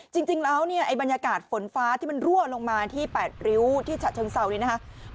จริงแล้วเนี่ยบรรยากาศฝนฟ้าที่มันรั่วลงมาที่แปดริ้วที่ฉะเชิงเศร้านี้นะครับ